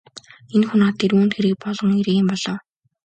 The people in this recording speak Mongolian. Энэ хүн над дээр юунд хэрэг болгон ирээ юм бол оо!